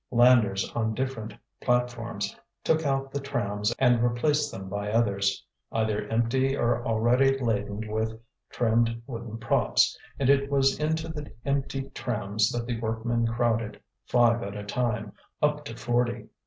Landers on different platforms took out the trams and replaced them by others, either empty or already laden with trimmed wooden props; and it was into the empty trams that the workmen crowded, five at a time, up to forty.